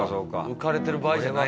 浮かれてる場合じゃない。